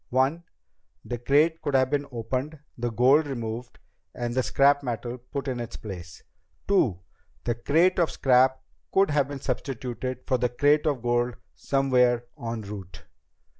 One: the crate could have been opened, the gold removed, and the scrap metal put in its place. Two: the crate of scrap could have been substituted for the crate of gold somewhere en route."